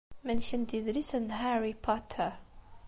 Melken-t yidlisen n Harry Potter.